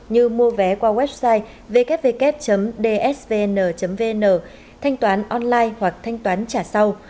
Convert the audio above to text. như mua vé qua website www dsvn vn thanh toán online hoặc thanh toán trả sau